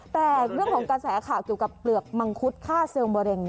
แต่เรื่องของกระแสข่าวเกี่ยวกับเปลือกมังคุดฆ่าเซลล์มะเร็ง